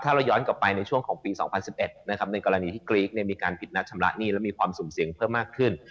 ถ้าเราย้อนกลับไปในช่วงของปี๒๐๑๑นะครับในกรณีที่กรี๊กมีการผิดนัดชำระหนี้และมีความสุ่มเสี่ยงเพิ่มมากขึ้น